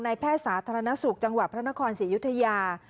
แพทย์สาธารณสุขจังหวัดพระนครศรีอยุธยา